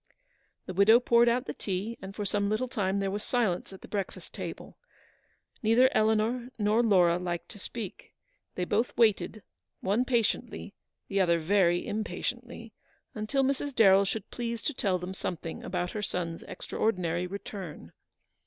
The widow poured out the tea, and for some little time there was silence at the breakfast table. Neither Eleanor nor Laura liked to speak. They both waited — one patiently, the other very im patiently — until Mrs. Darrell should please to tell them something about her son's extraordinary return.